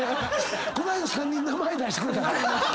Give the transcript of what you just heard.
この間３人名前出してくれたから。